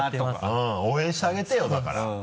応援してあげてよだから。